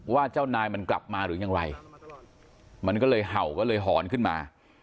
เจ้านายมันกลับมาหรือยังไรมันก็เลยเห่าก็เลยหอนขึ้นมา